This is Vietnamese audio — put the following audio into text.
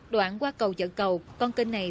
đoạn qua cầu dợ cầu con kênh này